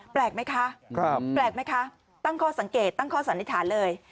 แปลกไหมคะตั้งข้อสังเกตตั้งข้อสันนิษฐานเลย